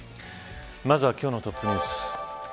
まずは今日のトップニュース。